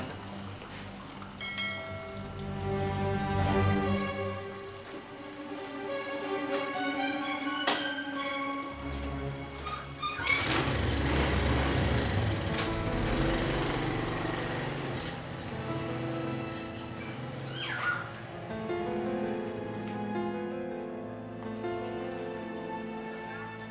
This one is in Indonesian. terima kasih tante